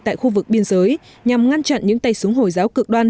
tại khu vực biên giới nhằm ngăn chặn những tay súng hồi giáo cực đoan